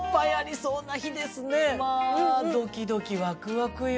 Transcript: まあドキドキワクワクよ。